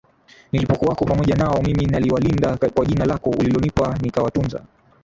Nilipokuwapo pamoja nao mimi naliwalinda kwa jina lako ulilonipa nikawatunza